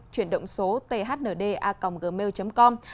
chuyển động số thnda gmail com